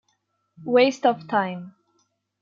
Waste Of Time.